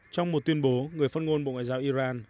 trong một tuyên bố người phát ngôn bộ ngoại giao iran